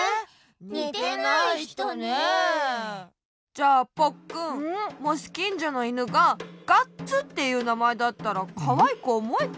じゃあポッくんもしきんじょのイヌが「ガッツ」っていうなまえだったらかわいくおもえた？